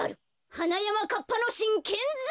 はなやまかっぱのしんけんざん。